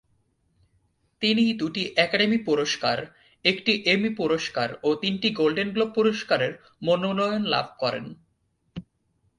তিনি দুটি একাডেমি পুরস্কার, একটি এমি পুরস্কার ও তিনটি গোল্ডেন গ্লোব পুরস্কারের মনোনয়ন লাভ করেন।